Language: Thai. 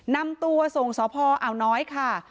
นำตัวส่งสอบพออ่าน้อยค่ะ